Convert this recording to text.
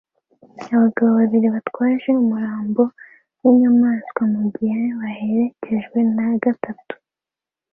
Abagabo babiri bitwaje umurambo w'inyamaswa mugihe baherekejwe na gatatu